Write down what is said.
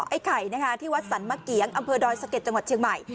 ไอ้ไข่นะคะที่วัดสรรมะเกียงอำเภอดอยสะเก็ดจังหวัดเชียงใหม่